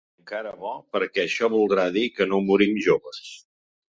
I encara bo, perquè això voldrà dir que no morim joves.